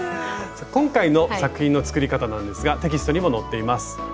今回の作品の作り方なんですがテキストにも載っています。